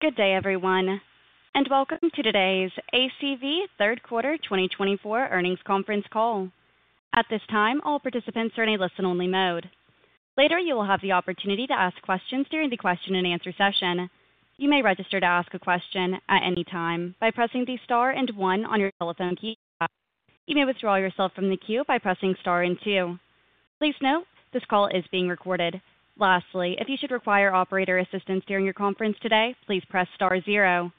Good day, everyone, and welcome to today's ACV Q3 2024 earnings conference call. At this time, all participants are in a listen-only mode. Later, you will have the opportunity to ask questions during the question-and-answer session. You may register to ask a question at any time by pressing the star and one on your telephone keypad. You may withdraw yourself from the queue by pressing star and two. Please note, this call is being recorded. Lastly, if you should require operator assistance during your conference today, please press star zero.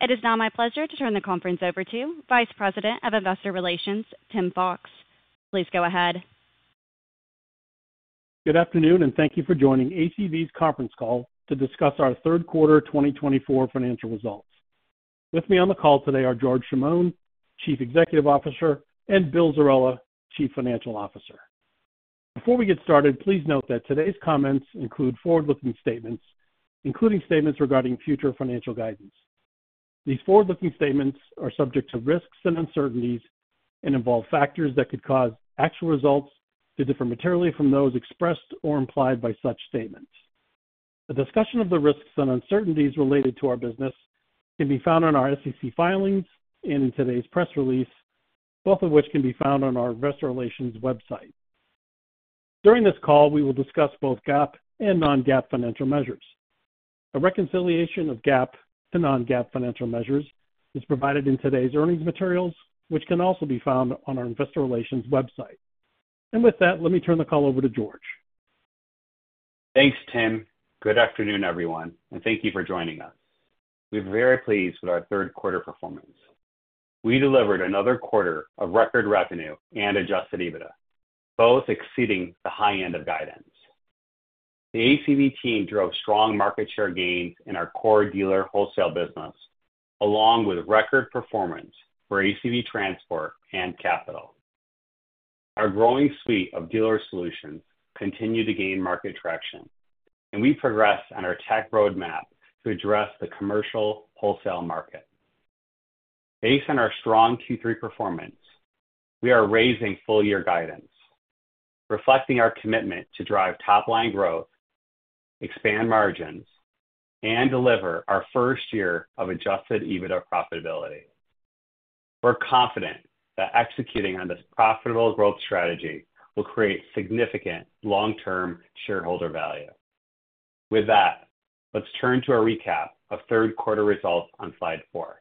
It is now my pleasure to turn the conference over to Vice President of Investor Relations, Tim Fox. Please go ahead. Good afternoon, and thank you for joining ACV's conference call to discuss our Q3 2024 financial results. With me on the call today are George Chamoun, Chief Executive Officer, and Bill Zerella, Chief Financial Officer. Before we get started, please note that today's comments include forward-looking statements, including statements regarding future financial guidance. These forward-looking statements are subject to risks and uncertainties and involve factors that could cause actual results to differ materially from those expressed or implied by such statements. A discussion of the risks and uncertainties related to our business can be found on our SEC filings and in today's press release, both of which can be found on our Investor Relations website. During this call, we will discuss both GAAP and Non-GAAP financial measures. A reconciliation of GAAP to Non-GAAP financial measures is provided in today's earnings materials, which can also be found on our Investor Relations website. And with that, let me turn the call over to George. Thanks, Tim. Good afternoon, everyone, and thank you for joining us. We're very pleased with our Q3 performance. We delivered another quarter of record revenue and Adjusted EBITDA, both exceeding the high end of guidance. The ACV team drove strong market share gains in our core dealer wholesale business, along with record performance for ACV Transport and Capital. Our growing suite of dealer solutions continued to gain market traction, and we progressed on our tech roadmap to address the commercial wholesale market. Based on our strong Q3 performance, we are raising full-year guidance, reflecting our commitment to drive top-line growth, expand margins, and deliver our first year of Adjusted EBITDA profitability. We're confident that executing on this profitable growth strategy will create significant long-term shareholder value. With that, let's turn to a recap of Q3 results on slide four.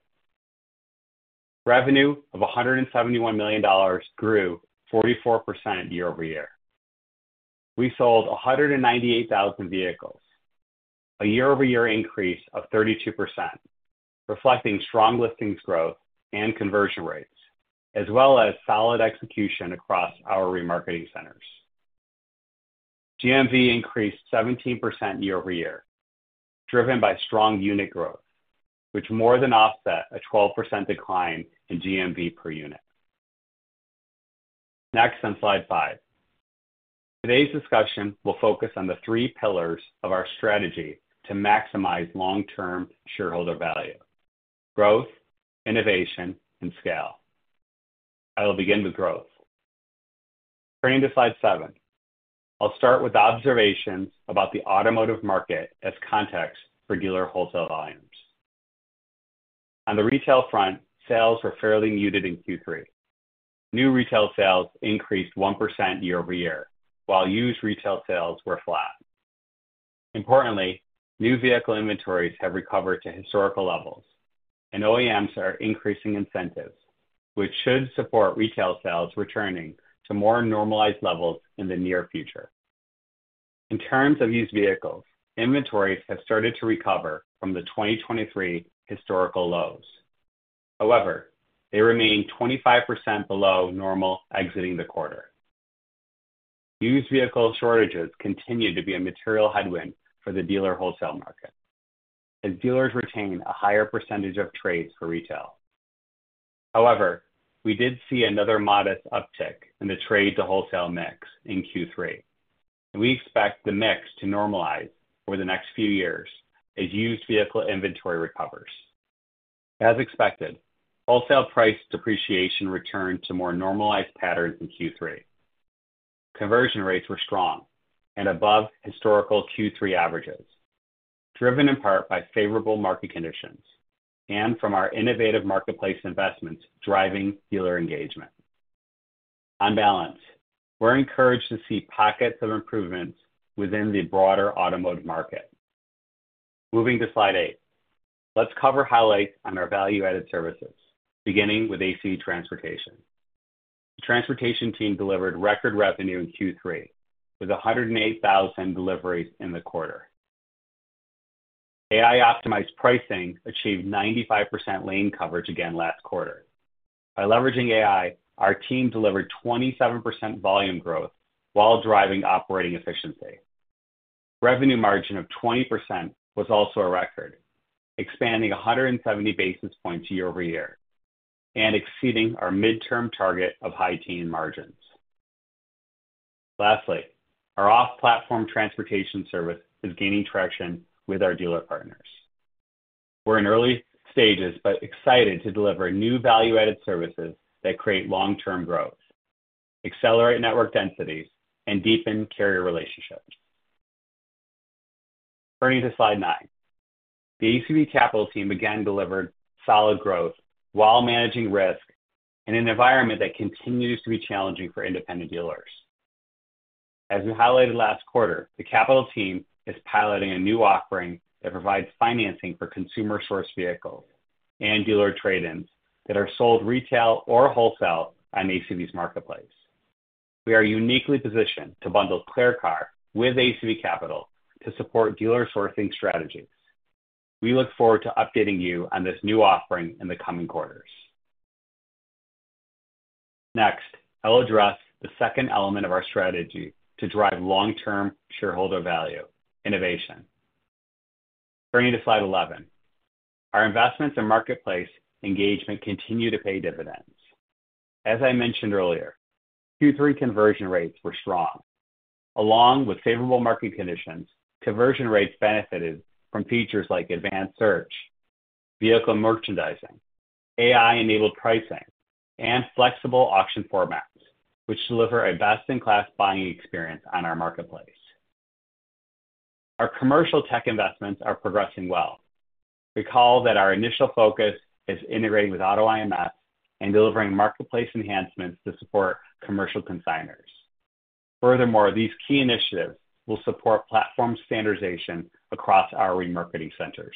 Revenue of $171 million grew 44% year-over-year. We sold 198,000 vehicles, a year-over-year increase of 32%, reflecting strong listings growth and conversion rates, as well as solid execution across our remarketing centers. GMV increased 17% year-over-year, driven by strong unit growth, which more than offset a 12% decline in GMV per unit. Next, on slide five, today's discussion will focus on the three pillars of our strategy to maximize long-term shareholder value: growth, innovation, and scale. I'll begin with growth. Turning to slide seven, I'll start with observations about the automotive market as context for dealer wholesale volumes. On the retail front, sales were fairly muted in Q3. New retail sales increased 1% year-over- year, while used retail sales were flat. Importantly, new vehicle inventories have recovered to historical levels, and OEMs are increasing incentives, which should support retail sales returning to more normalized levels in the near future. In terms of used vehicles, inventories have started to recover from the 2023 historical lows. However, they remain 25% below normal exiting the quarter. Used vehicle shortages continue to be a material headwind for the dealer wholesale market, as dealers retain a higher percentage of trades for retail. However, we did see another modest uptick in the trade-to-wholesale mix in Q3, and we expect the mix to normalize over the next few years as used vehicle inventory recovers. As expected, wholesale price depreciation returned to more normalized patterns in Q3. Conversion rates were strong and above historical Q3 averages, driven in part by favorable market conditions and from our innovative marketplace investments driving dealer engagement. On balance, we're encouraged to see pockets of improvement within the broader automotive market. Moving to slide eight, let's cover highlights on our value-added services, beginning with ACV Transportation. The transportation team delivered record revenue in Q3 with 108,000 deliveries in the quarter. AI-optimized pricing achieved 95% lane coverage again last quarter. By leveraging AI, our team delivered 27% volume growth while driving operating efficiency. Revenue margin of 20% was also a record, expanding 170 basis points year-over-year and exceeding our mid-term target of high-teens margins. Lastly, our off-platform transportation service is gaining traction with our dealer partners. We're in early stages but excited to deliver new value-added services that create long-term growth, accelerate network densities, and deepen carrier relationships. Turning to slide nine, the ACV Capital team again delivered solid growth while managing risk in an environment that continues to be challenging for independent dealers. As we highlighted last quarter, the Capital team is piloting a new offering that provides financing for consumer-source vehicles and dealer trade-ins that are sold retail or wholesale on ACV's marketplace. We are uniquely positioned to bundle ClearCar with ACV Capital to support dealer-sourcing strategies. We look forward to updating you on this new offering in the coming quarters. Next, I'll address the second element of our strategy to drive long-term shareholder value: innovation. Turning to slide 11, our investments and marketplace engagement continue to pay dividends. As I mentioned earlier, Q3 conversion rates were strong. Along with favorable market conditions, conversion rates benefited from features like advanced search, vehicle merchandising, AI-enabled pricing, and flexible auction formats, which deliver a best-in-class buying experience on our marketplace. Our commercial tech investments are progressing well. Recall that our initial focus is integrating with AutoIMS and delivering marketplace enhancements to support commercial consignors. Furthermore, these key initiatives will support platform standardization across our remarketing centers.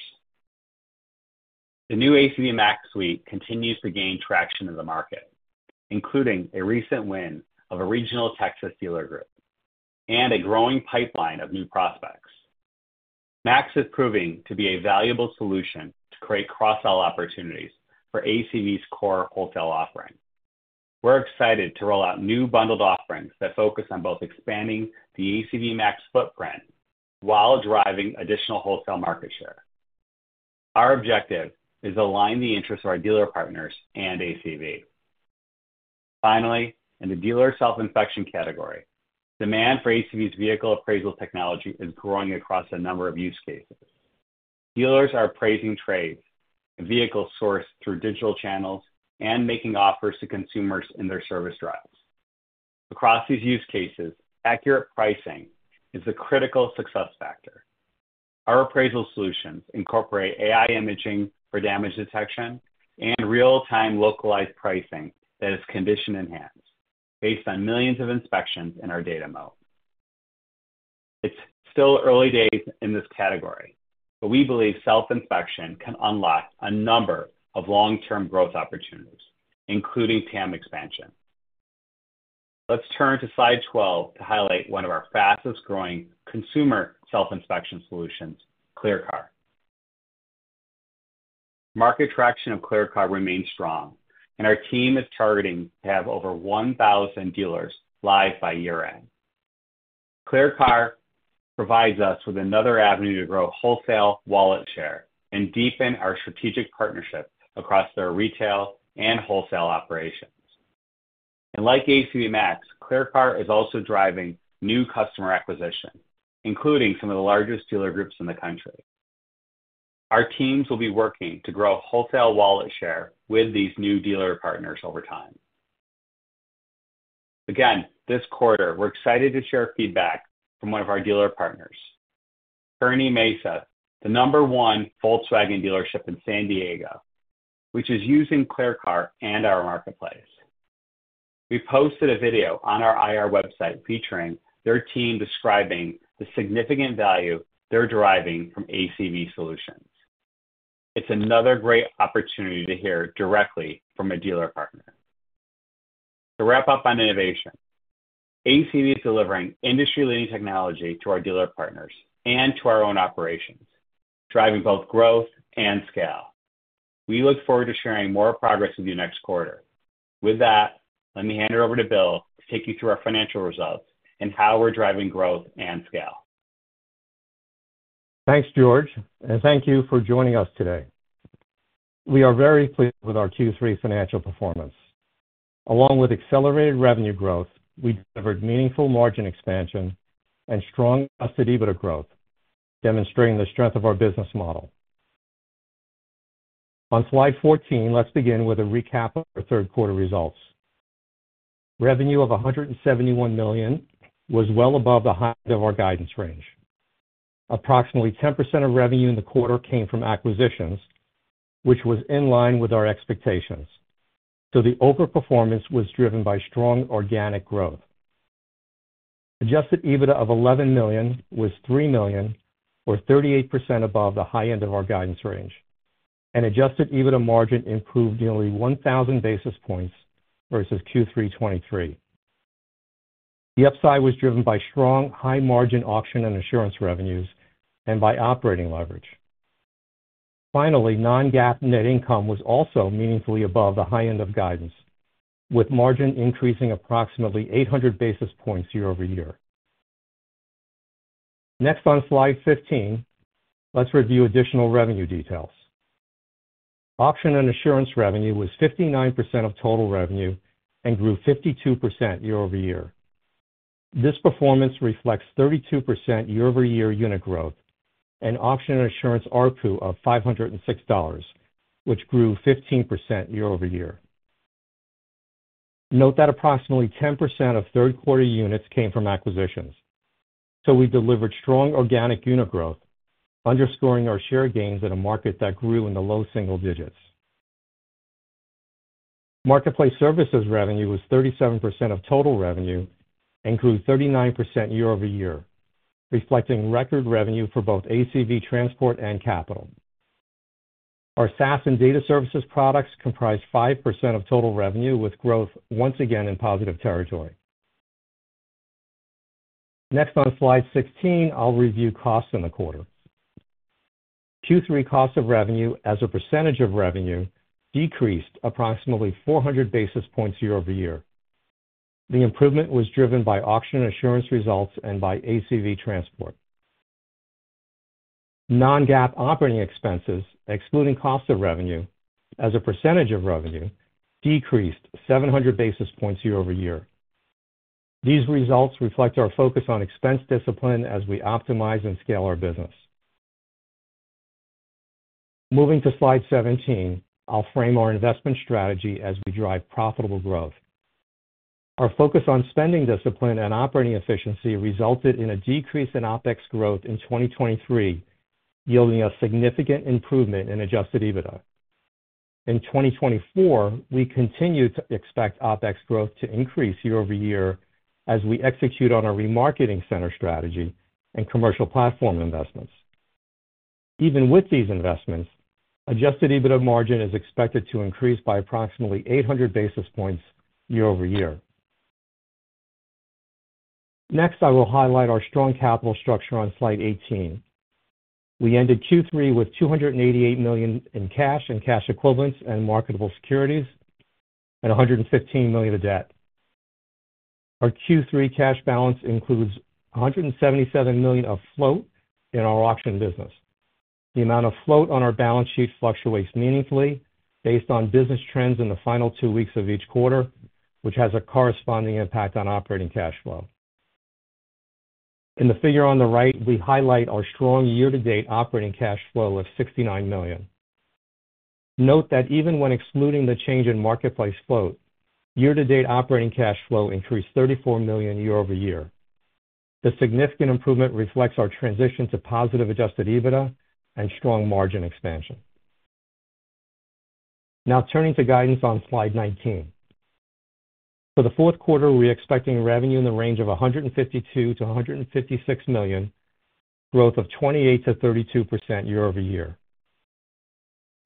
The new ACV MAX suite continues to gain traction in the market, including a recent win of a regional Texas dealer group and a growing pipeline of new prospects. MAX is proving to be a valuable solution to create cross-sell opportunities for ACV's core wholesale offering. We're excited to roll out new bundled offerings that focus on both expanding the ACV MAX footprint while driving additional wholesale market share. Our objective is to align the interests of our dealer partners and ACV. Finally, in the dealer self-inspection category, demand for ACV's vehicle appraisal technology is growing across a number of use cases. Dealers are appraising trades, vehicles sourced through digital channels, and making offers to consumers in their service drives. Across these use cases, accurate pricing is the critical success factor. Our appraisal solutions incorporate AI imaging for damage detection and real-time localized pricing that is condition-enhanced based on millions of inspections in our data moat. It's still early days in this category, but we believe self-inspection can unlock a number of long-term growth opportunities, including TAM expansion. Let's turn to slide 12 to highlight one of our fastest-growing consumer self-inspection solutions, ClearCar. Market traction of ClearCar remains strong, and our team is targeting to have over 1,000 dealers live by year-end. ClearCar provides us with another avenue to grow wholesale wallet share and deepen our strategic partnership across their retail and wholesale operations. And like ACV MAX, ClearCar is also driving new customer acquisition, including some of the largest dealer groups in the country. Our teams will be working to grow wholesale wallet share with these new dealer partners over time. Again, this quarter, we're excited to share feedback from one of our dealer partners, Kearny Mesa, the number one Volkswagen dealership in San Diego, which is using ClearCar and our marketplace. We posted a video on our IR website featuring their team describing the significant value they're deriving from ACV solutions. It's another great opportunity to hear directly from a dealer partner. To wrap up on innovation, ACV is delivering industry-leading technology to our dealer partners and to our own operations, driving both growth and scale. We look forward to sharing more progress with you next quarter. With that, let me hand it over to Bill to take you through our financial results and how we're driving growth and scale. Thanks, George, and thank you for joining us today. We are very pleased with our Q3 financial performance. Along with accelerated revenue growth, we delivered meaningful margin expansion and strong custody of growth, demonstrating the strength of our business model. On slide 14, let's begin with a recap of our Q3 results. Revenue of $171 million was well above the high end of our guidance range. Approximately 10% of revenue in the quarter came from acquisitions, which was in line with our expectations. So the overperformance was driven by strong organic growth. Adjusted EBITDA of $11 million was $3 million, or 38% above the high end of our guidance range. And adjusted EBITDA margin improved nearly 1,000 basis points versus Q3 2023. The upside was driven by strong high-margin auction and assurance revenues and by operating leverage. Finally, non-GAAP net income was also meaningfully above the high end of guidance, with margin increasing approximately 800 basis points year-over-year. Next, on slide 15, let's review additional revenue details. Auction and assurance revenue was 59% of total revenue and grew 52% year-over-year. This performance reflects 32% year-over-year unit growth and auction and assurance RPU of $506, which grew 15% year-over-year. Note that approximately 10% of Q3 units came from acquisitions. So we delivered strong organic unit growth, underscoring our share gains in a market that grew in the low single digits. Marketplace services revenue was 37% of total revenue and grew 39% year-over-year, reflecting record revenue for both ACV Transport and Capital. Our SaaS and data services products comprised 5% of total revenue, with growth once again in positive territory. Next, on slide 16, I'll review costs in the quarter. Q3 cost of revenue, as a percentage of revenue, decreased approximately 400 basis points year-over-year. The improvement was driven by auction and assurance results and by ACV Transport. Non-GAAP operating expenses, excluding cost of revenue, as a percentage of revenue, decreased 700 basis points year-over-year. These results reflect our focus on expense discipline as we optimize and scale our business. Moving to slide 17, I'll frame our investment strategy as we drive profitable growth. Our focus on spending discipline and operating efficiency resulted in a decrease in OpEx growth in 2023, yielding a significant improvement in Adjusted EBITDA. In 2024, we continue to expect OpEx growth to increase year-over-year as we execute on our remarketing center strategy and commercial platform investments. Even with these investments, Adjusted EBITDA margin is expected to increase by approximately 800 basis points year-over-year. Next, I will highlight our strong capital structure on slide 18. We ended Q3 with $288 million in cash and cash equivalents and marketable securities and $115 million in debt. Our Q3 cash balance includes $177 million of float in our auction business. The amount of float on our balance sheet fluctuates meaningfully based on business trends in the final two weeks of each quarter, which has a corresponding impact on operating cash flow. In the figure on the right, we highlight our strong year-to-date operating cash flow of $69 million. Note that even when excluding the change in marketplace float, year-to-date operating cash flow increased $34 million year-over-year. The significant improvement reflects our transition to positive Adjusted EBITDA and strong margin expansion. Now, turning to guidance on slide 19. For the fourth quarter, we're expecting revenue in the range of $152 million-$156 million, growth of 28%-32% year-over-year.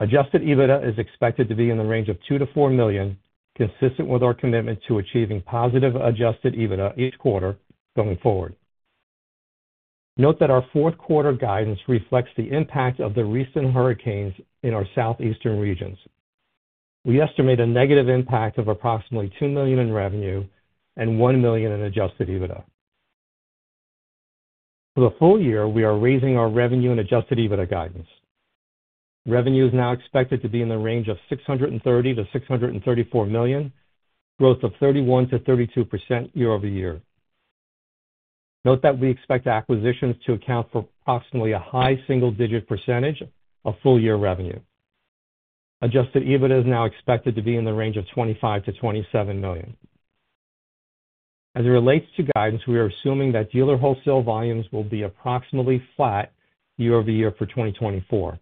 Adjusted EBITDA is expected to be in the range of $2 million-$4 million, consistent with our commitment to achieving positive adjusted EBITDA each quarter going forward. Note that our fourth quarter guidance reflects the impact of the recent hurricanes in our southeastern regions. We estimate a negative impact of approximately $2 million in revenue and $1 million in adjusted EBITDA. For the full year, we are raising our revenue and adjusted EBITDA guidance. Revenue is now expected to be in the range of $630 million-$634 million, growth of 31%-32% year-over-year. Note that we expect acquisitions to account for approximately a high single-digit percentage of full-year revenue. Adjusted EBITDA is now expected to be in the range of $25 million-$27 million. As it relates to guidance, we are assuming that dealer wholesale volumes will be approximately flat year-over-year for 2024.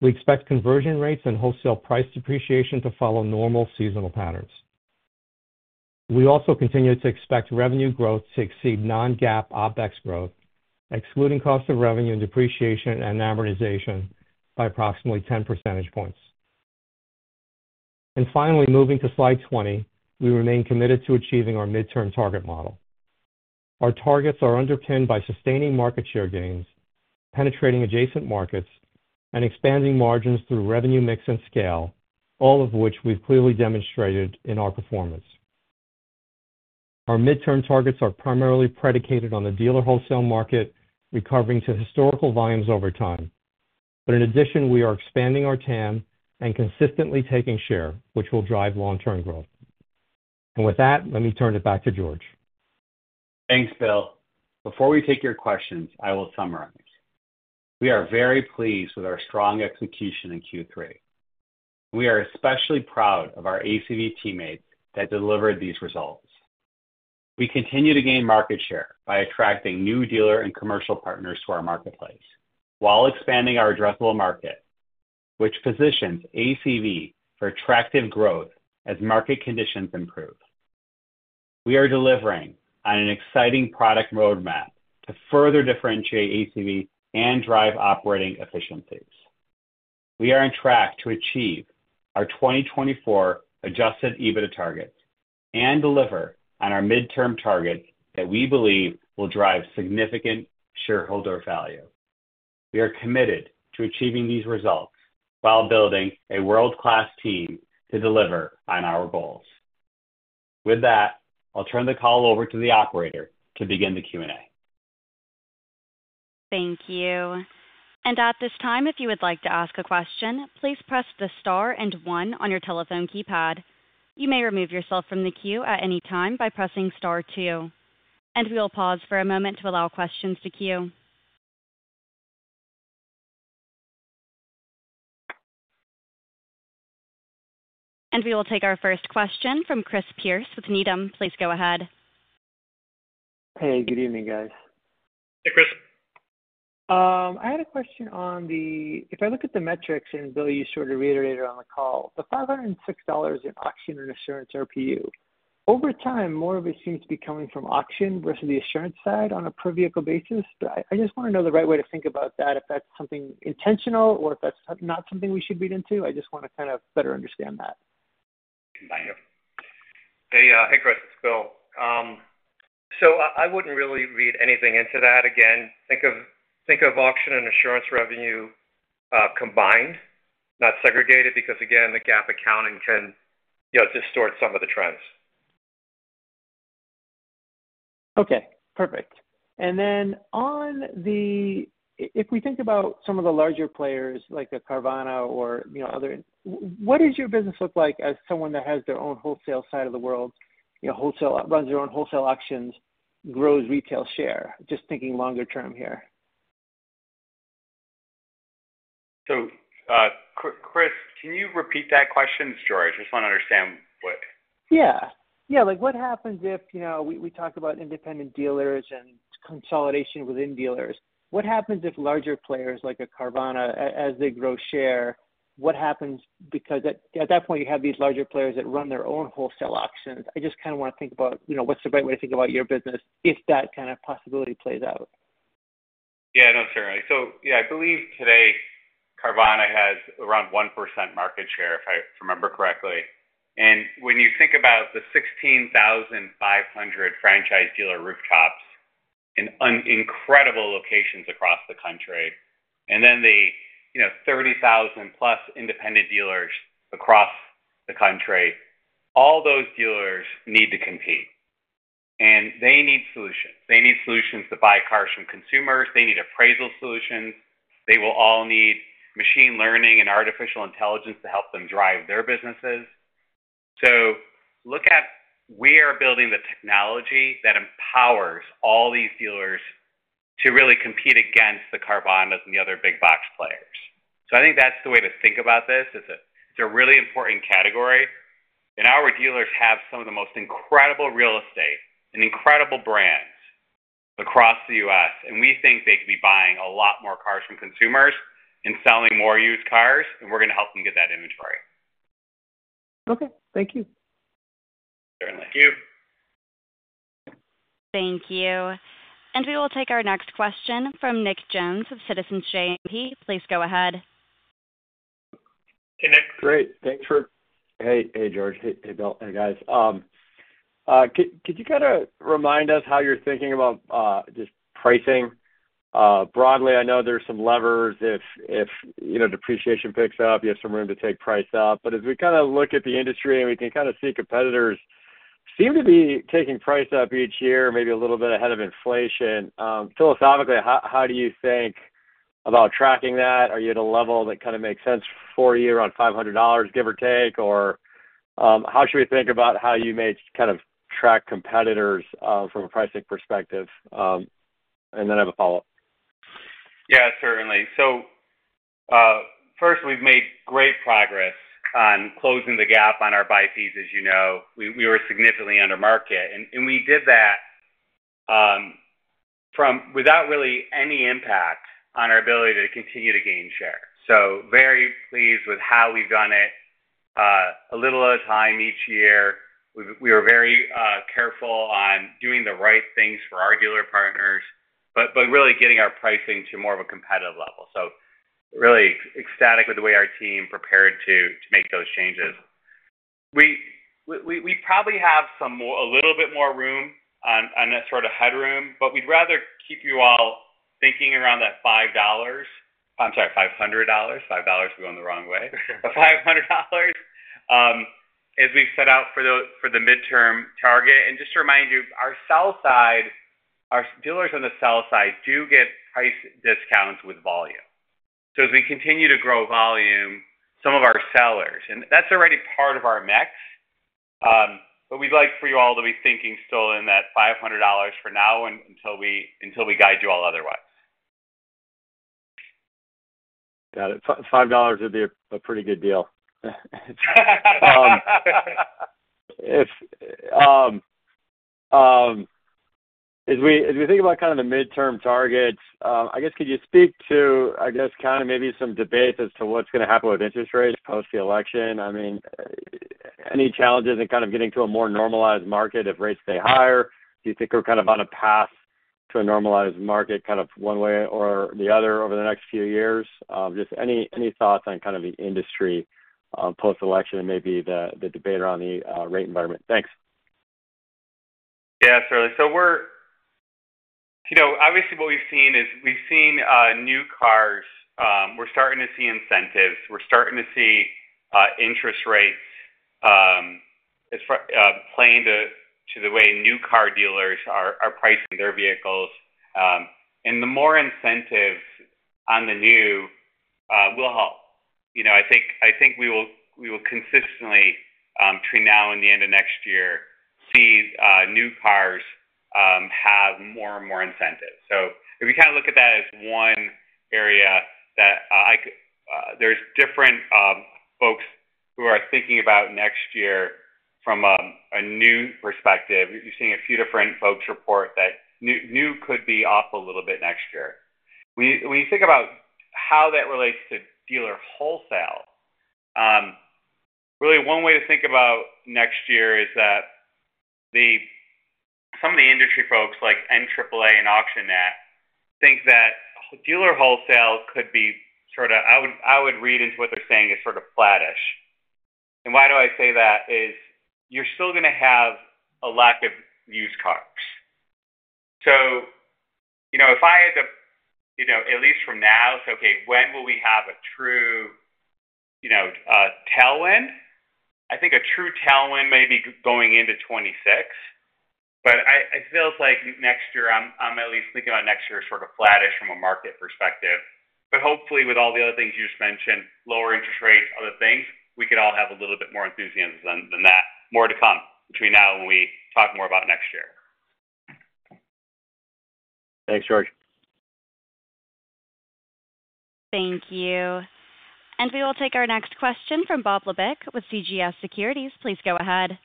We expect conversion rates and wholesale price depreciation to follow normal seasonal patterns. We also continue to expect revenue growth to exceed non-GAAP OpEx growth, excluding cost of revenue and depreciation and amortization, by approximately 10 percentage points. And finally, moving to slide 20, we remain committed to achieving our midterm target model. Our targets are underpinned by sustaining market share gains, penetrating adjacent markets, and expanding margins through revenue mix and scale, all of which we've clearly demonstrated in our performance. Our midterm targets are primarily predicated on the dealer wholesale market recovering to historical volumes over time. But in addition, we are expanding our TAM and consistently taking share, which will drive long-term growth. And with that, let me turn it back to George. Thanks, Bill. Before we take your questions, I will summarize. We are very pleased with our strong execution in Q3. We are especially proud of our ACV teammates that delivered these results. We continue to gain market share by attracting new dealer and commercial partners to our marketplace while expanding our addressable market, which positions ACV for attractive growth as market conditions improve. We are delivering on an exciting product roadmap to further differentiate ACV and drive operating efficiencies. We are on track to achieve our 2024 Adjusted EBITDA targets and deliver on our midterm targets that we believe will drive significant shareholder value. We are committed to achieving these results while building a world-class team to deliver on our goals. With that, I'll turn the call over to the operator to begin the Q&A. Thank you. And at this time, if you would like to ask a question, please press the star and one on your telephone keypad. You may remove yourself from the queue at any time by pressing star two. And we will pause for a moment to allow questions to queue. And we will take our first question from Chris Pierce with Needham. Please go ahead. Hey, good evening, guys. Hey, Chris. I had a question on the metrics. If I look at the metrics and Bill, you sort of reiterated on the call, the $506 in auction and assurance RPU, over time, more of it seems to be coming from auction versus the assurance side on a per vehicle basis. But I just want to know the right way to think about that, if that's something intentional or if that's not something we should read into. I just want to kind of better understand that. Combined. Hey, Chris. It's Bill. So, I wouldn't really read anything into that. Again, think of auction and assurance revenue combined, not segregated, because, again, the GAAP accounting can distort some of the trends. Okay. Perfect. And then on the, if we think about some of the larger players like the Carvana or other, what does your business look like as someone that has their own wholesale side of the world, runs their own wholesale auctions, grows retail share, just thinking longer term here? So Chris, can you repeat that question, George? I just want to understand what. Yeah. Yeah. Like what happens if we talk about independent dealers and consolidation within dealers? What happens if larger players like a Carvana, as they grow share, what happens? Because at that point, you have these larger players that run their own wholesale auctions. I just kind of want to think about what's the right way to think about your business if that kind of possibility plays out. Yeah. No, sorry. So yeah, I believe today Carvana has around 1% market share, if I remember correctly. And when you think about the 16,500 franchise dealer rooftops in incredible locations across the country, and then the 30,000-plus independent dealers across the country, all those dealers need to compete. And they need solutions. They need solutions to buy cars from consumers. They need appraisal solutions. They will all need machine learning and artificial intelligence to help them drive their businesses. So look at, we are building the technology that empowers all these dealers to really compete against the Carvana and the other big box players. So I think that's the way to think about this. It's a really important category. And our dealers have some of the most incredible real estate and incredible brands across the U.S. We think they could be buying a lot more cars from consumers and selling more used cars. We're going to help them get that inventory. Okay. Thank you. Certainly. Thank you. Thank you, and we will take our next question from Nick Jones of Citizens JMP. Please go ahead. Hey, Nick. Great. Thanks for, hey, George, hey, Bill, hey, guys. Could you kind of remind us how you're thinking about just pricing broadly? I know there's some levers if depreciation picks up, you have some room to take price up. But as we kind of look at the industry and we can kind of see competitors seem to be taking price up each year, maybe a little bit ahead of inflation, philosophically, how do you think about tracking that? Are you at a level that kind of makes sense for you around $500, give or take? Or how should we think about how you may kind of track competitors from a pricing perspective? And then I have a follow-up. Yeah, certainly. So first, we've made great progress on closing the gap on our buy fees, as you know. We were significantly under market. And we did that without really any impact on our ability to continue to gain share. So very pleased with how we've done it. A little at a time each year. We were very careful on doing the right things for our dealer partners, but really getting our pricing to more of a competitive level. So really ecstatic with the way our team prepared to make those changes. We probably have a little bit more room on that sort of headroom, but we'd rather keep you all thinking around that $5, I'm sorry, $500. $5, we went the wrong way. $500 as we set out for the midterm target. Just to remind you, our sell side, our dealers on the sell side do get price discounts with volume. As we continue to grow volume, some of our sellers, and that's already part of our mix, but we'd like for you all to be thinking still in that $500 for now until we guide you all otherwise. Got it. $5 would be a pretty good deal. As we think about kind of the midterm targets, I guess, could you speak to, I guess, kind of maybe some debates as to what's going to happen with interest rates post the election? I mean, any challenges in kind of getting to a more normalized market if rates stay higher? Do you think we're kind of on a path to a normalized market kind of one way or the other over the next few years? Just any thoughts on kind of the industry post-election and maybe the debate around the rate environment? Thanks. Yeah, certainly. So obviously, what we've seen is we've seen new cars. We're starting to see incentives. We're starting to see interest rates playing to the way new car dealers are pricing their vehicles. And the more incentives on the new will help. I think we will consistently, between now and the end of next year, see new cars have more and more incentives. So if we kind of look at that as one area that there's different folks who are thinking about next year from a new perspective. You're seeing a few different folks report that new could be off a little bit next year. When you think about how that relates to dealer wholesale, really one way to think about next year is that some of the industry folks like NAAA and AuctionNet think that dealer wholesale could be sort of. I would read into what they're saying is sort of flattish. And why do I say that? Is you're still going to have a lack of used cars. So if I had to, at least from now, say, okay, when will we have a true tailwind? I think a true tailwind may be going into 2026. But I feel like next year, I'm at least thinking about next year sort of flattish from a market perspective. But hopefully, with all the other things you just mentioned, lower interest rates, other things, we could all have a little bit more enthusiasm than that, more to come between now and when we talk more about next year. Thanks, George. Thank you. We will take our next question from Bob Labick with CJS Securities. Please go ahead.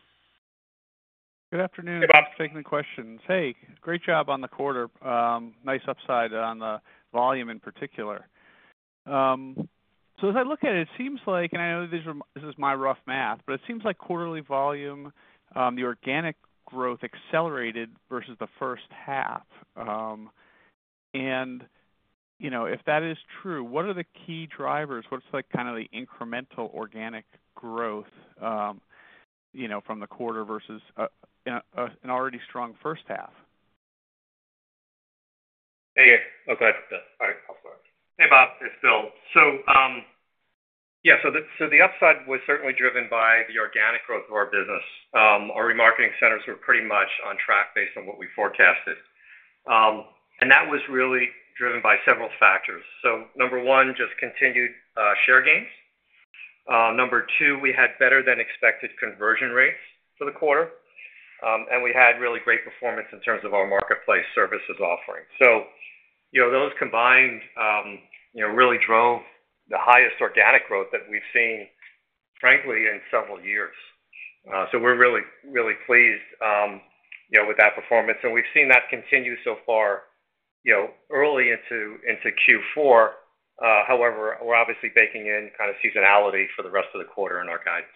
Good afternoon. Hey, Bob. Taking the questions. Hey, great job on the quarter. Nice upside on the volume in particular. So as I look at it, it seems like, and I know this is my rough math, but it seems like quarterly volume, the organic growth accelerated versus the first half. And if that is true, what are the key drivers? What's kind of the incremental organic growth from the quarter versus an already strong first half? Hey, yeah. Okay. All right. I'll start. Hey, Bob. It's Bill. So yeah, so the upside was certainly driven by the organic growth of our business. Our remarketing centers were pretty much on track based on what we forecasted. And that was really driven by several factors. So number one, just continued share gains. Number two, we had better-than-expected conversion rates for the quarter. And we had really great performance in terms of our marketplace services offering. So those combined really drove the highest organic growth that we've seen, frankly, in several years. So we're really, really pleased with that performance. And we've seen that continue so far early into Q4. However, we're obviously baking in kind of seasonality for the rest of the quarter in our guidance.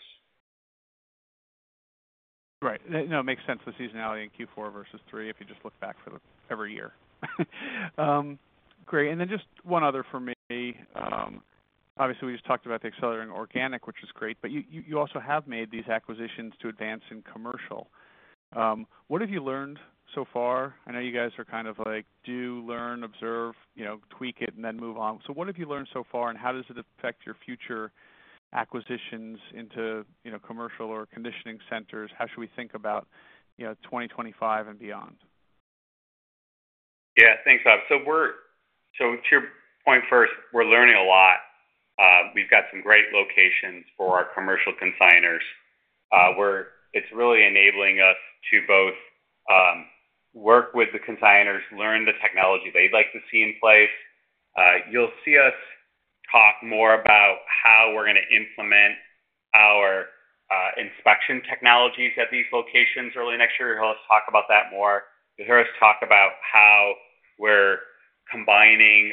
Right. No, it makes sense, the seasonality in Q4 versus Q3 if you just look back for every year. Great. And then just one other for me. Obviously, we just talked about the accelerating organic, which is great. But you also have made these acquisitions to advance in commercial. What have you learned so far? I know you guys are kind of like, do, learn, observe, tweak it, and then move on. So what have you learned so far, and how does it affect your future acquisitions into commercial or reconditioning centers? How should we think about 2025 and beyond? Yeah. Thanks, Bob. So to your point first, we're learning a lot. We've got some great locations for our commercial consignors where it's really enabling us to both work with the consignors, learn the technology they'd like to see in place. You'll see us talk more about how we're going to implement our inspection technologies at these locations early next year. You'll hear us talk about that more. You'll hear us talk about how we're combining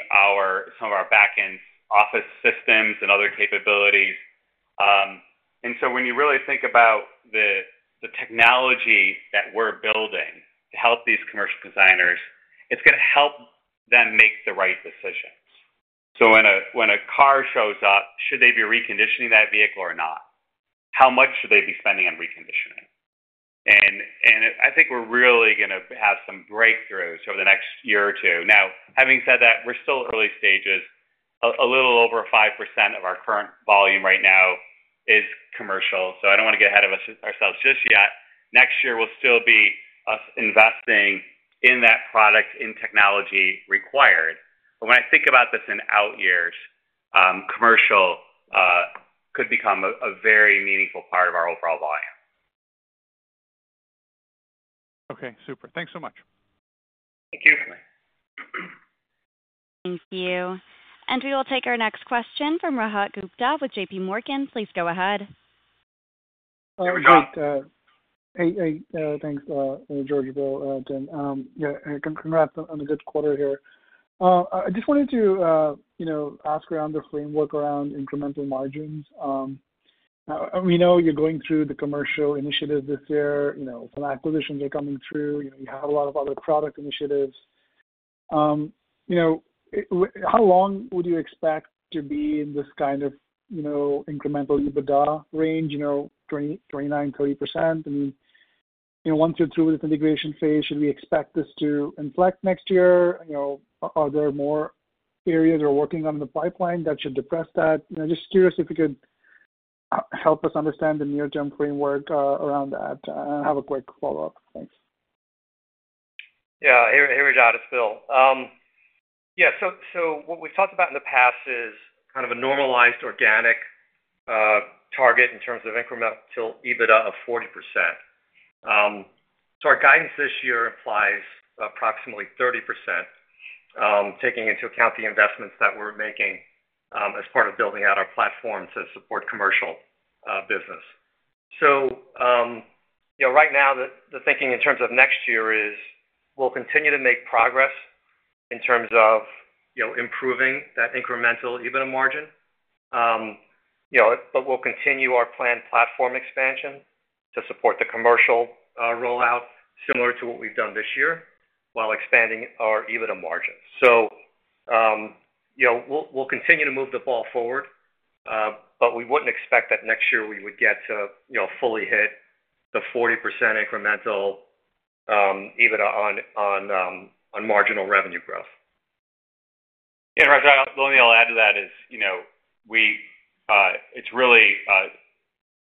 some of our back-end office systems and other capabilities. And so when you really think about the technology that we're building to help these commercial consignors, it's going to help them make the right decisions. So when a car shows up, should they be reconditioning that vehicle or not? How much should they be spending on reconditioning? And I think we're really going to have some breakthroughs over the next year or two. Now, having said that, we're still early stages. A little over 5% of our current volume right now is commercial. So I don't want to get ahead of ourselves just yet. Next year, we'll still be investing in that product and technology required. But when I think about this in out years, commercial could become a very meaningful part of our overall volume. Okay. Super. Thanks so much. Thank you. Thank you. And we will take our next question from Rajat Gupta with JPMorgan. Please go ahead. Hey, Rajat. Hey. Hey. Thanks, George, Bill, Tim. Yeah. Congrats on a good quarter here. I just wanted to ask about the framework around incremental margins. We know you're going through the commercial initiatives this year. Some acquisitions are coming through. You have a lot of other product initiatives. How long would you expect to be in this kind of incremental EBITDA range, 29%-30%? I mean, once you're through with this integration phase, should we expect this to inflect next year? Are there more areas or working on the pipeline that should depress that? Just curious if you could help us understand the near-term framework around that and have a quick follow-up. Thanks. Yeah. Hey, Rajat. It's Bill. Yeah. So what we've talked about in the past is kind of a normalized organic target in terms of incremental EBITDA of 40%. So our guidance this year implies approximately 30%, taking into account the investments that we're making as part of building out our platform to support commercial business. So right now, the thinking in terms of next year is we'll continue to make progress in terms of improving that incremental EBITDA margin. But we'll continue our planned platform expansion to support the commercial rollout similar to what we've done this year while expanding our EBITDA margins. So we'll continue to move the ball forward, but we wouldn't expect that next year we would get to fully hit the 40% incremental EBITDA on marginal revenue growth. Yeah. Rajat, let me add to that. It's really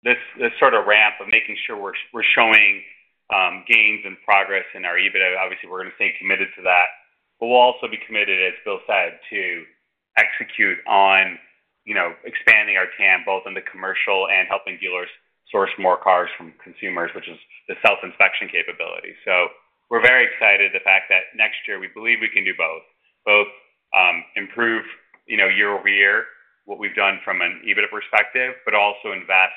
this sort of ramp of making sure we're showing gains and progress in our EBITDA. Obviously, we're going to stay committed to that. But we'll also be committed, as Bill said, to execute on expanding our TAM both in the commercial and helping dealers source more cars from consumers, which is the self-inspection capability. So we're very excited the fact that next year, we believe we can do both, both improve year-over-year what we've done from an EBITDA perspective, but also invest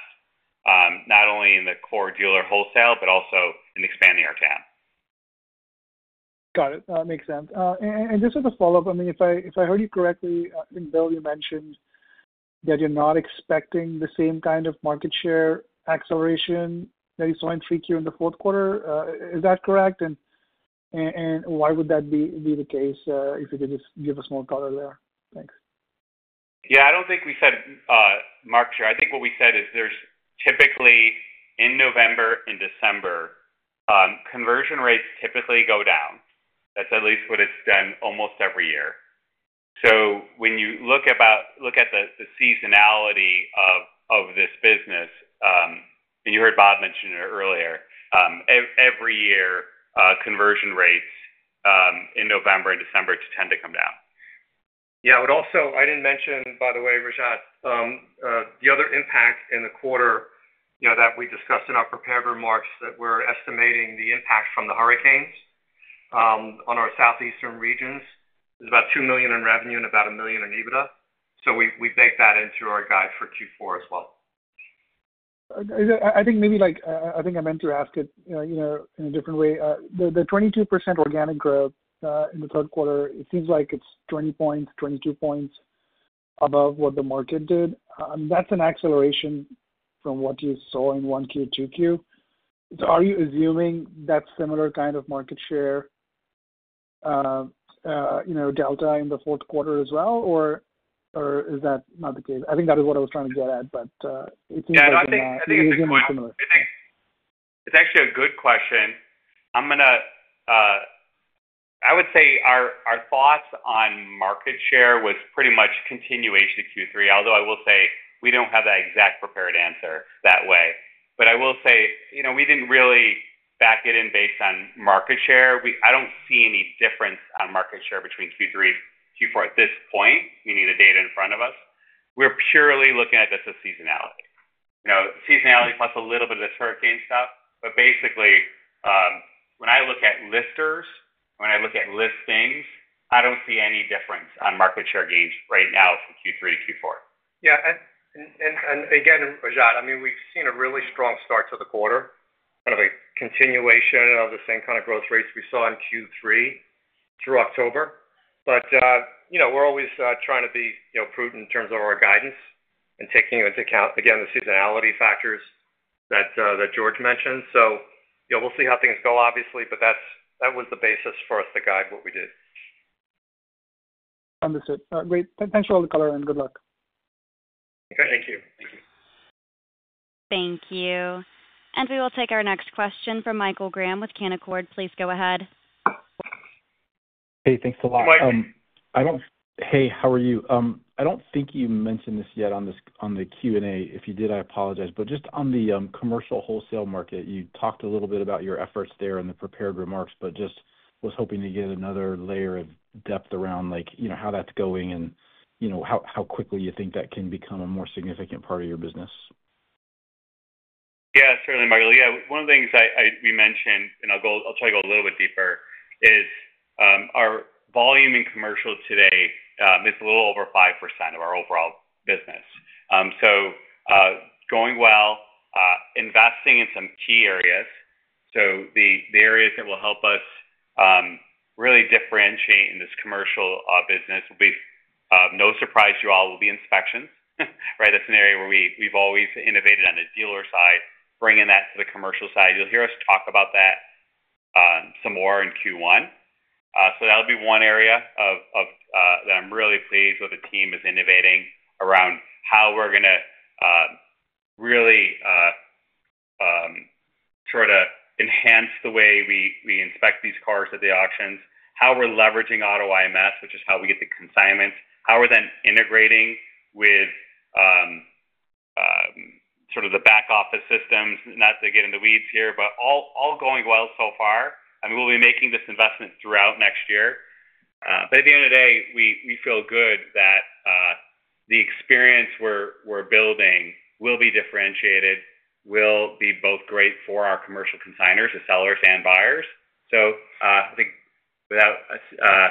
not only in the core dealer wholesale, but also in expanding our TAM. Got it. That makes sense. And just as a follow-up, I mean, if I heard you correctly, I think, Bill, you mentioned that you're not expecting the same kind of market share acceleration that you saw in three-tier in the fourth quarter. Is that correct? And why would that be the case if you could just give us more color there? Thanks. Yeah. I don't think we said market share. I think what we said is there's typically in November and December, conversion rates typically go down. That's at least what it's done almost every year. So when you look at the seasonality of this business, and you heard Bob mention it earlier, every year, conversion rates in November and December tend to come down. Yeah. I didn't mention, by the way, Rajat, the other impact in the quarter that we discussed in our prepared remarks that we're estimating the impact from the hurricanes on our southeastern regions is about $2 million in revenue and about $1 million in EBITDA. So we baked that into our guide for Q4 as well. I think maybe I meant to ask it in a different way. The 22% organic growth in the third quarter, it seems like it's 20 points, 22 points above what the market did. I mean, that's an acceleration from what you saw in 1Q, 2Q. So are you assuming that similar kind of market share delta in the fourth quarter as well, or is that not the case? I think that is what I was trying to get at, but it seems like it isn't similar. Yeah. I think it's actually a good question. I would say our thoughts on market share was pretty much continuation to Q3, although I will say we don't have that exact prepared answer that way. But I will say we didn't really bake it in based on market share. I don't see any difference on market share between Q3 and Q4 at this point, meaning the data in front of us. We're purely looking at this as seasonality. Seasonality plus a little bit of this hurricane stuff. But basically, when I look at listers, when I look at listings, I don't see any difference on market share gains right now from Q3 to Q4. Yeah. And again, Rajat, I mean, we've seen a really strong start to the quarter, kind of a continuation of the same kind of growth rates we saw in Q3 through October. But we're always trying to be prudent in terms of our guidance and taking into account, again, the seasonality factors that George mentioned. So we'll see how things go, obviously, but that was the basis for us to guide what we did. Understood. Great. Thanks for all the color and good luck. Okay. Thank you. Thank you. Thank you. And we will take our next question from Michael Graham with Canaccord. Please go ahead. Hey, thanks a lot. Hey, Mike. Hey, how are you? I don't think you mentioned this yet on the Q&A. If you did, I apologize. But just on the commercial wholesale market, you talked a little bit about your efforts there in the prepared remarks, but just was hoping to get another layer of depth around how that's going and how quickly you think that can become a more significant part of your business? Yeah. Certainly, Michael. Yeah. One of the things we mentioned, and I'll try to go a little bit deeper, is our volume in commercial today is a little over 5% of our overall business. So going well, investing in some key areas. So the areas that will help us really differentiate in this commercial business will be, no surprise to you all, will be inspections, right? That's an area where we've always innovated on the dealer side, bringing that to the commercial side. You'll hear us talk about that some more in Q1. So that'll be one area that I'm really pleased with the team is innovating around how we're going to really sort of enhance the way we inspect these cars at the auctions, how we're leveraging AutoIMS, which is how we get the consignments, how we're then integrating with sort of the back-office systems. Not to get in the weeds here, but all going well so far. I mean, we'll be making this investment throughout next year. But at the end of the day, we feel good that the experience we're building will be differentiated, will be both great for our commercial consignors, the sellers and buyers. So I think for the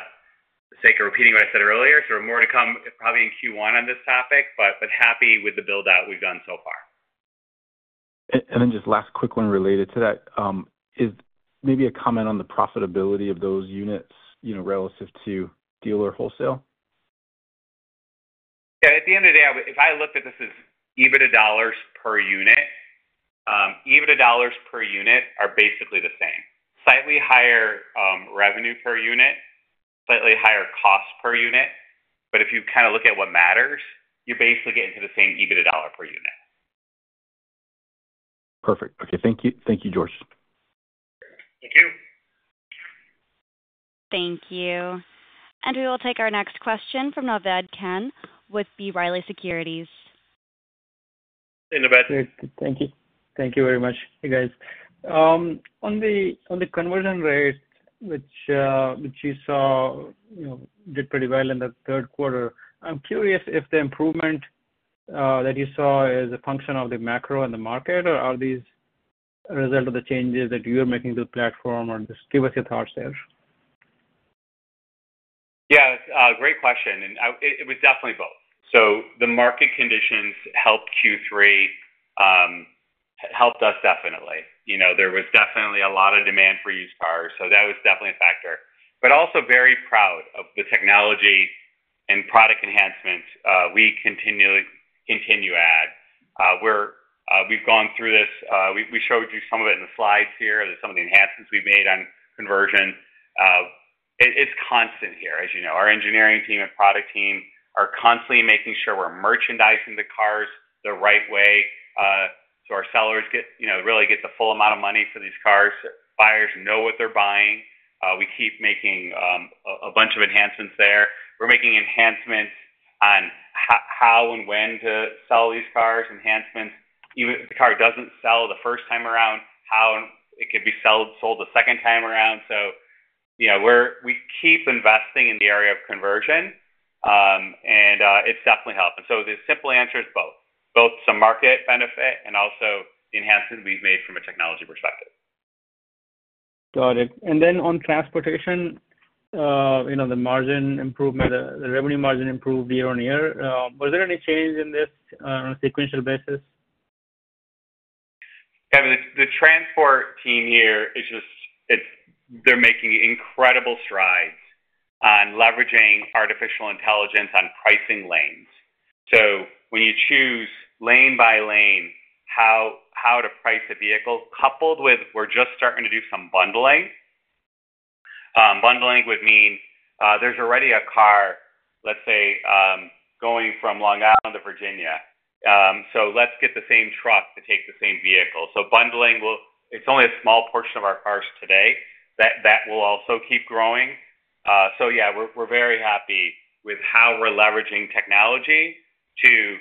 sake of repeating what I said earlier, so more to come probably in Q1 on this topic, but happy with the build-out we've done so far. And then just last quick one related to that is maybe a comment on the profitability of those units relative to dealer wholesale. Yeah. At the end of the day, if I looked at this as EBITDA dollars per unit, EBITDA dollars per unit are basically the same. Slightly higher revenue per unit, slightly higher cost per unit. But if you kind of look at what matters, you basically get into the same EBITDA dollar per unit. Perfect. Okay. Thank you, George. Thank you. Thank you. And we will take our next question from Naved Khan with B. Riley Securities. Hey, Naved. Thank you. Thank you very much. Hey, guys. On the conversion rate, which you saw did pretty well in the third quarter, I'm curious if the improvement that you saw is a function of the macro and the market, or are these a result of the changes that you are making to the platform, or just give us your thoughts there? Yeah. Great question. And it was definitely both. So the market conditions helped Q3, helped us definitely. There was definitely a lot of demand for used cars. So that was definitely a factor. But also very proud of the technology and product enhancements we continue to add. We've gone through this. We showed you some of it in the slides here. There's some of the enhancements we've made on conversion. It's constant here, as you know. Our engineering team and product team are constantly making sure we're merchandising the cars the right way so our sellers really get the full amount of money for these cars. Buyers know what they're buying. We keep making a bunch of enhancements there. We're making enhancements on how and when to sell these cars, enhancements. If the car doesn't sell the first time around, how it could be sold the second time around. So we keep investing in the area of conversion, and it's definitely helping. So the simple answer is both. Both some market benefit and also enhancements we've made from a technology perspective. Got it. And then on transportation, the margin improvement, the revenue margin improved year on year. Was there any change in this on a sequential basis? Yeah. The transport team here, they're making incredible strides on leveraging artificial intelligence on pricing lanes. So when you choose lane by lane how to price a vehicle, coupled with we're just starting to do some bundling. Bundling would mean there's already a car, let's say, going from Long Island to Virginia. So let's get the same truck to take the same vehicle. So bundling, it's only a small portion of our cars today. That will also keep growing. So yeah, we're very happy with how we're leveraging technology to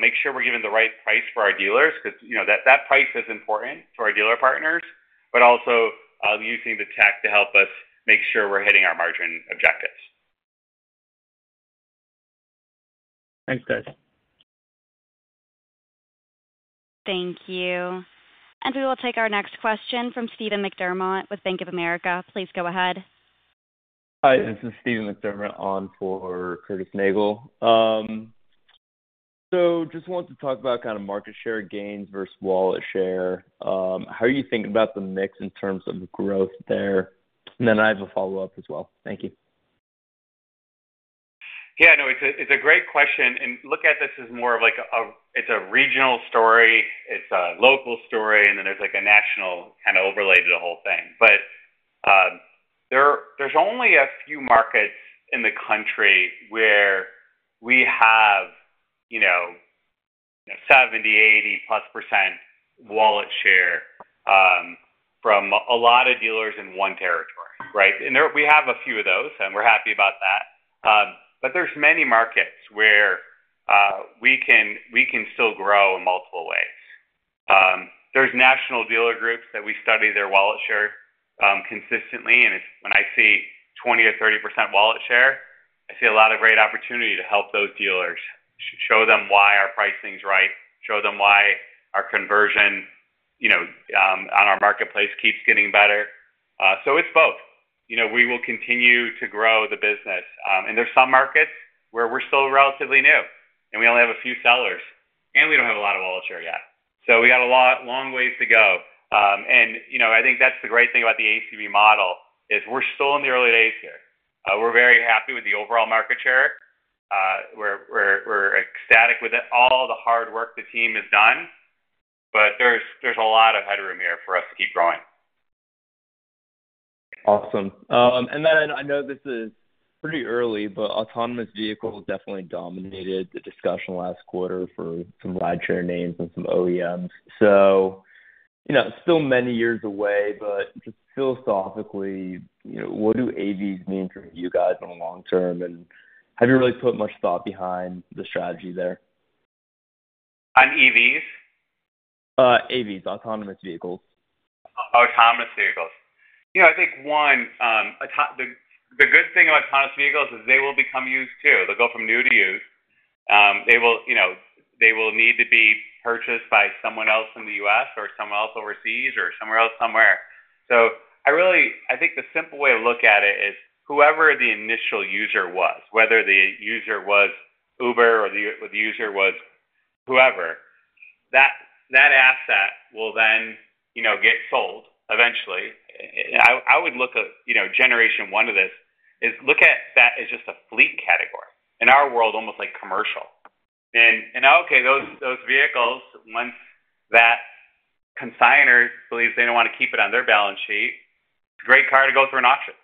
make sure we're giving the right price for our dealers because that price is important to our dealer partners, but also using the tech to help us make sure we're hitting our margin objectives. Thanks, guys. Thank you. And we will take our next question from Stephen McDermott with Bank of America. Please go ahead. Hi. This is Stephen McDermott on for Curtis Nagel. So just wanted to talk about kind of market share gains versus wallet share. How are you thinking about the mix in terms of growth there? And then I have a follow-up as well. Thank you. Yeah. No, it's a great question. And look at this as more of like a it's a regional story. It's a local story. And then there's like a national kind of overlay to the whole thing. But there's only a few markets in the country where we have 70%-80+% wallet share from a lot of dealers in one territory, right? And we have a few of those, and we're happy about that. But there's many markets where we can still grow in multiple ways. There's national dealer groups that we study their wallet share consistently. And when I see 20% or 30% wallet share, I see a lot of great opportunity to help those dealers, show them why our pricing is right, show them why our conversion on our marketplace keeps getting better. So it's both. We will continue to grow the business. There's some markets where we're still relatively new, and we only have a few sellers, and we don't have a lot of wallet share yet. We got a long ways to go. I think that's the great thing about the ACV model is we're still in the early days here. We're very happy with the overall market share. We're ecstatic with all the hard work the team has done, but there's a lot of headroom here for us to keep growing. Awesome. And then I know this is pretty early, but autonomous vehicles definitely dominated the discussion last quarter for some rideshare names and some OEMs. So still many years away, but just philosophically, what do AVs mean for you guys in the long term? And have you really put much thought behind the strategy there? On EVs? AVs, autonomous vehicles. Autonomous vehicles. I think one, the good thing about autonomous vehicles is they will become used too. They'll go from new to used. They will need to be purchased by someone else in the U.S. or someone else overseas or somewhere else somewhere. So I think the simple way to look at it is whoever the initial user was, whether the user was Uber or the user was whoever, that asset will then get sold eventually. I would look at generation one of this is look at that as just a fleet category. In our world, almost like commercial. And okay, those vehicles, once that consignor believes they don't want to keep it on their balance sheet, it's a great car to go through an auction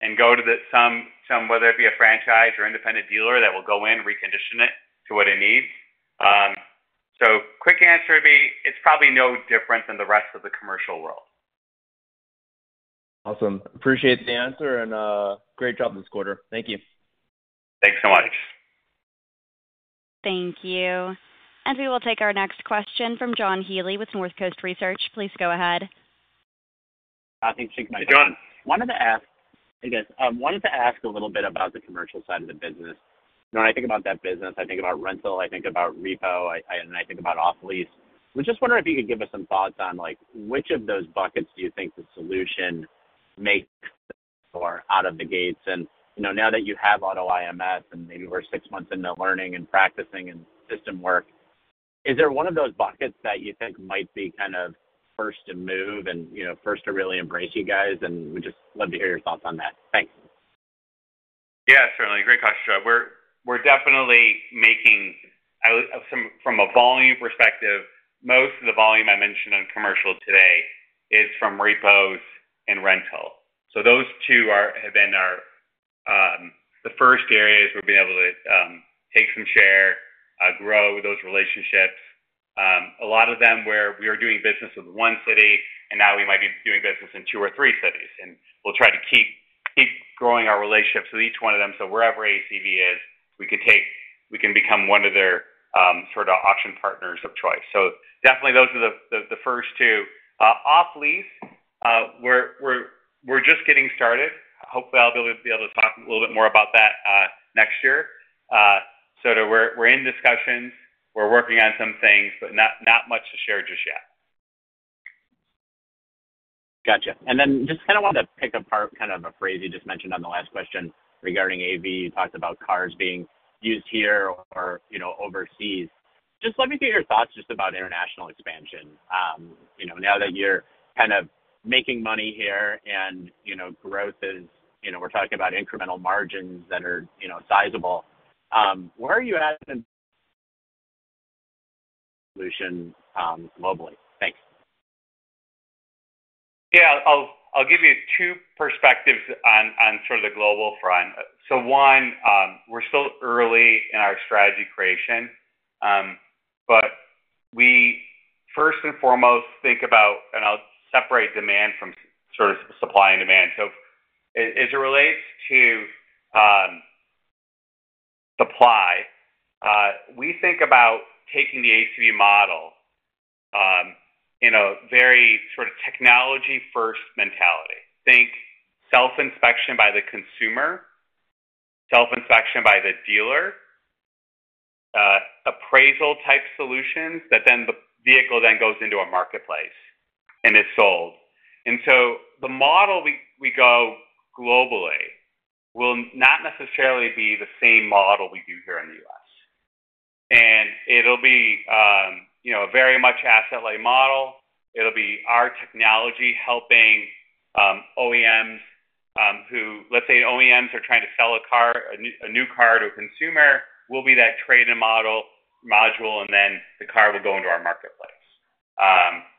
and go to some, whether it be a franchise or independent dealer that will go in, recondition it to what it needs. So, quick answer would be it's probably no different than the rest of the commercial world. Awesome. Appreciate the answer and great job this quarter. Thank you. Thanks so much. Thank you. And we will take our next question from John Healy with North Coast Research. Please go ahead. I think she can answer. John, I wanted to ask, I guess, a little bit about the commercial side of the business. When I think about that business, I think about rental, I think about repo, and I think about off-lease. I'm just wondering if you could give us some thoughts on which of those buckets do you think the solution makes for out of the gates? And now that you have AutoIMS and maybe we're six months into learning and practicing and system work, is there one of those buckets that you think might be kind of first to move and first to really embrace you guys? And we'd just love to hear your thoughts on that. Thanks. Yeah. Certainly. Great question, John. We're definitely making from a volume perspective, most of the volume I mentioned on commercial today is from repos and rental. So those two have been the first areas we've been able to take some share, grow those relationships. A lot of them where we are doing business with one city and now we might be doing business in two or three cities. And we'll try to keep growing our relationships with each one of them. So wherever ACV is, we can become one of their sort of auction partners of choice. So definitely those are the first two. Off-lease, we're just getting started. Hopefully, I'll be able to talk a little bit more about that next year. So we're in discussions. We're working on some things, but not much to share just yet. Gotcha. And then just kind of wanted to pick apart kind of a phrase you just mentioned on the last question regarding AV. You talked about cars being used here or overseas. Just let me get your thoughts just about international expansion. Now that you're kind of making money here and growth is, we're talking about incremental margins that are sizable. Where are you at in the solution globally? Thanks. Yeah. I'll give you two perspectives on sort of the global front. So one, we're still early in our strategy creation, but we first and foremost think about and I'll separate demand from sort of supply and demand. So as it relates to supply, we think about taking the ACV model in a very sort of technology-first mentality. Think self-inspection by the consumer, self-inspection by the dealer, appraisal-type solutions that then the vehicle then goes into a marketplace and is sold. And so the model we go globally will not necessarily be the same model we do here in the US. And it'll be a very much asset-like model. It'll be our technology helping OEMs who, let's say, OEMs are trying to sell a new car to a consumer, we'll be that trade-in module, and then the car will go into our marketplace.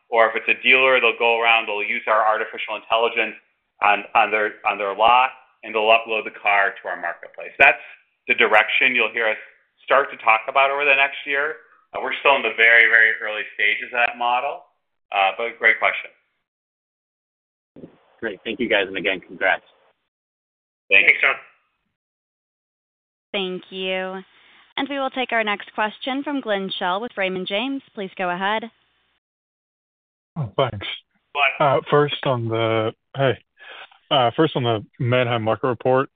Or if it's a dealer, they'll go around, they'll use our artificial intelligence on their lot, and they'll upload the car to our marketplace. That's the direction you'll hear us start to talk about over the next year. We're still in the very, very early stages of that model. But great question. Great. Thank you, guys. And again, congrats. Thanks, John. Thank you, and we will take our next question from Glynn Schell with Raymond James. Please go ahead. Thanks. First on the Manheim Market Report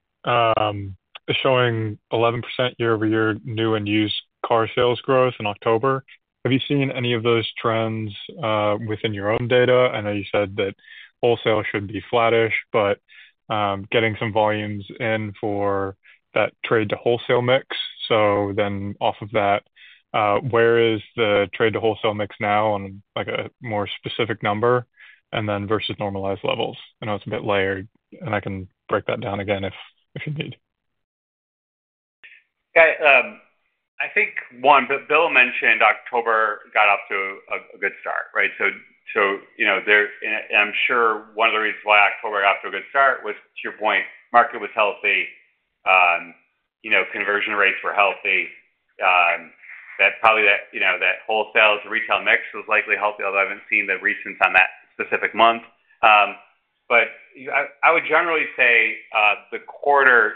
showing 11% year-over-year new and used car sales growth in October. Have you seen any of those trends within your own data? I know you said that wholesale should be flattish, but getting some volumes in for that trade-to-wholesale mix. So then off of that, where is the trade-to-wholesale mix now on a more specific number and then versus normalized levels? I know it's a bit layered, and I can break that down again if you need. Yeah. I think one, Bill mentioned October got off to a good start, right? So I'm sure one of the reasons why October got off to a good start was, to your point, market was healthy, conversion rates were healthy. That probably the wholesale to retail mix was likely healthy, although I haven't seen the recent stats on that specific month. But I would generally say the quarter,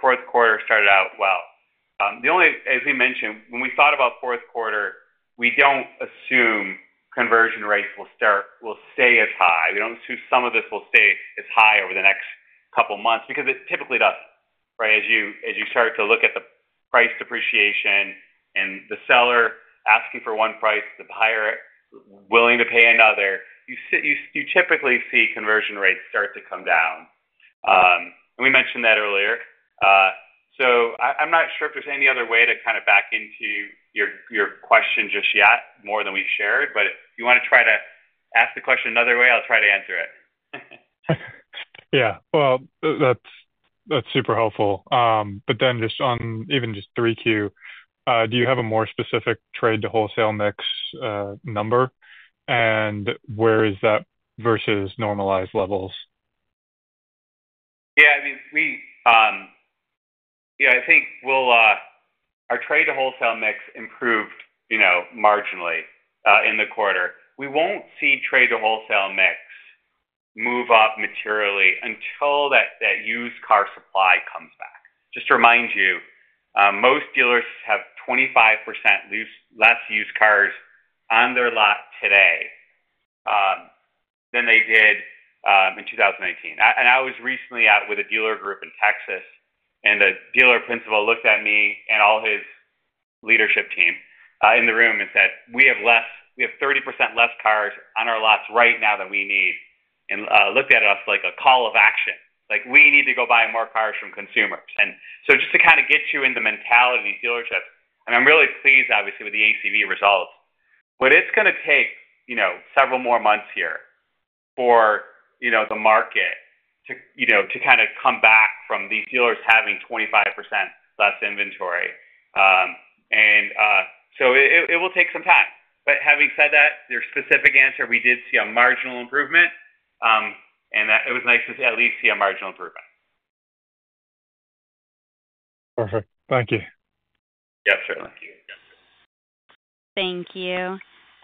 fourth quarter started out well. As we mentioned, when we thought about fourth quarter, we don't assume conversion rates will stay as high. We don't assume some of this will stay as high over the next couple of months because it typically doesn't, right? As you start to look at the price depreciation and the seller asking for one price, the buyer willing to pay another, you typically see conversion rates start to come down. And we mentioned that earlier. So I'm not sure if there's any other way to kind of back into your question just yet more than we've shared, but if you want to try to ask the question another way, I'll try to answer it. Yeah. Well, that's super helpful. But then just on even just 3Q, do you have a more specific trade-to-wholesale mix number? And where is that versus normalized levels? Yeah. I mean, yeah, I think our trade-to-wholesale mix improved marginally in the quarter. We won't see trade-to-wholesale mix move up materially until that used car supply comes back. Just to remind you, most dealers have 25% less used cars on their lot today than they did in 2019. And I was recently out with a dealer group in Texas, and the dealer principal looked at me and all his leadership team in the room and said, "We have 30% less cars on our lots right now than we need." And looked at us like a call of action. Like, "We need to go buy more cars from consumers." And so just to kind of get you in the mentality of these dealerships, and I'm really pleased, obviously, with the ACV results, but it's going to take several more months here for the market to kind of come back from these dealers having 25% less inventory, and so it will take some time, but having said that, your specific answer, we did see a marginal improvement, and it was nice to at least see a marginal improvement. Perfect. Thank you. Yep. Certainly. Thank you,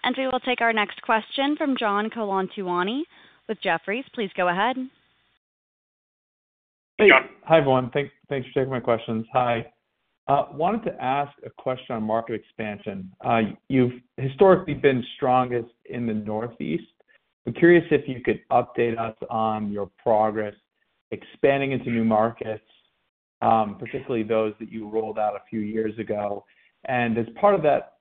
and we will take our next question from John Colantuoni with Jefferies. Please go ahead. Hey, John. Hey, everyone. Thanks for taking my questions. Hi. Wanted to ask a question on market expansion. You've historically been strongest in the Northeast. I'm curious if you could update us on your progress expanding into new markets, particularly those that you rolled out a few years ago. And as part of that,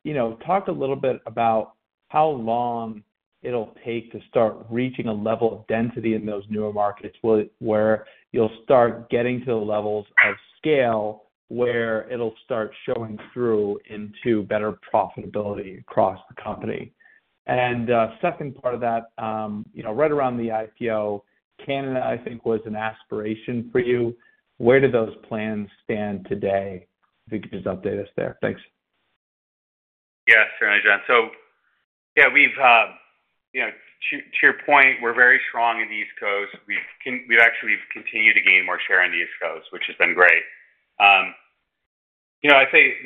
talk a little bit about how long it'll take to start reaching a level of density in those newer markets where you'll start getting to the levels of scale where it'll start showing through into better profitability across the company. And second part of that, right around the IPO, Canada, I think, was an aspiration for you. Where do those plans stand today? If you could just update us there. Thanks. Yeah. Certainly, John. So yeah, to your point, we're very strong in the East Coast. We've actually continued to gain more share in the East Coast, which has been great. I'd say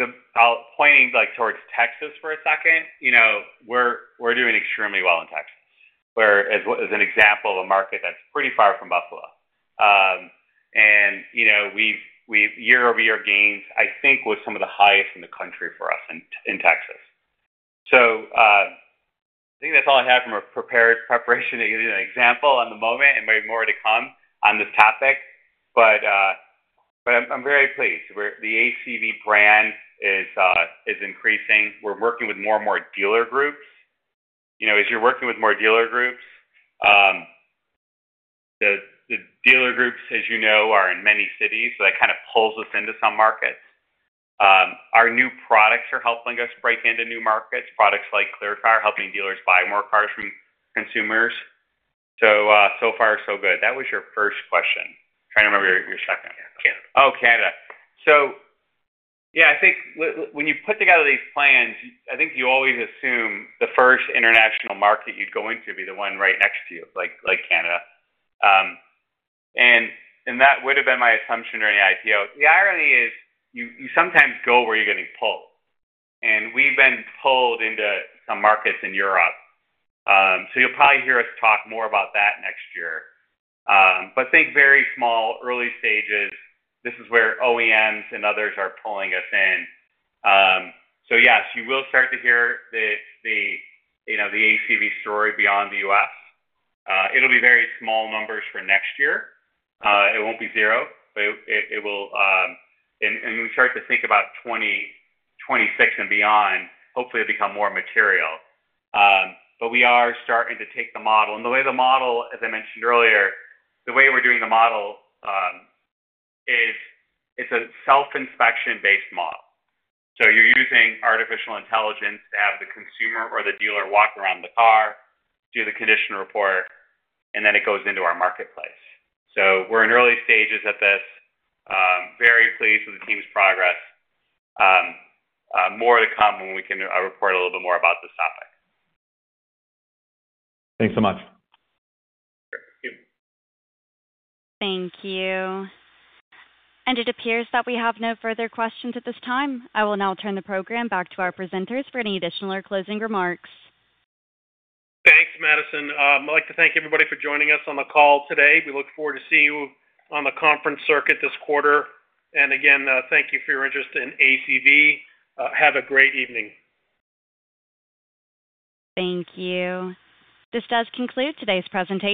pointing towards Texas for a second, we're doing extremely well in Texas, as an example of a market that's pretty far from Buffalo. And we've year-over-year gains, I think, were some of the highest in the country for us in Texas. So I think that's all I have from a preparation to give you an example on the moment. There may be more to come on this topic, but I'm very pleased. The ACV brand is increasing. We're working with more and more dealer groups. As you're working with more dealer groups, the dealer groups, as you know, are in many cities, so that kind of pulls us into some markets. Our new products are helping us break into new markets. Products like ClearCar are helping dealers buy more cars from consumers. So so far, so good. That was your first question. Trying to remember your second. Canada. Oh, Canada. So yeah, I think when you put together these plans, I think you always assume the first international market you'd go into would be the one right next to you, like Canada. And that would have been my assumption during the IPO. The irony is you sometimes go where you're getting pulled. And we've been pulled into some markets in Europe. So you'll probably hear us talk more about that next year. But I think very small, early stages, this is where OEMs and others are pulling us in. So yes, you will start to hear the ACV story beyond the US. It'll be very small numbers for next year. It won't be zero, but it will. And when we start to think about 2026 and beyond, hopefully, it'll become more material. But we are starting to take the model. And the way the model, as I mentioned earlier, the way we're doing the model is it's a self-inspection-based model. So you're using artificial intelligence to have the consumer or the dealer walk around the car, do the condition report, and then it goes into our marketplace. So we're in early stages at this. Very pleased with the team's progress. More to come when we can report a little bit more about this topic. Thanks so much. Sure. Thank you. Thank you. It appears that we have no further questions at this time. I will now turn the program back to our presenters for any additional or closing remarks. Thanks, Madison. I'd like to thank everybody for joining us on the call today. We look forward to seeing you on the conference circuit this quarter. And again, thank you for your interest in ACV. Have a great evening. Thank you. This does conclude today's presentation.